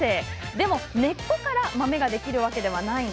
でも、根っこから豆ができるわけではありません。